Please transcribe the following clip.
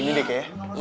ini deh kayaknya